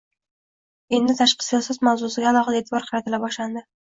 Endi tashqi siyosat mavzusiga alohida e’tibor qaratila boshlandi.